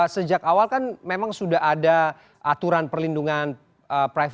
sejak awal kan memang sudah ada aturan perlindungan private